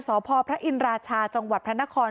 สพพระอินราชาจังหวัดพระนคร